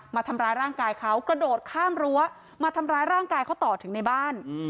มาทำร้ายร่างกายเขากระโดดข้ามรั้วมาทำร้ายร่างกายเขาต่อถึงในบ้าน